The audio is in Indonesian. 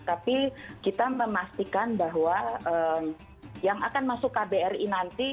tapi kita memastikan bahwa yang akan masuk kbri nanti